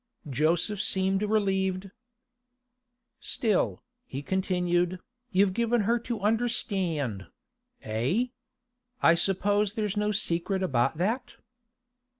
Joseph seemed relieved. 'Still,' he continued, 'you've given her to understand—eh? I suppose there's no secret about that?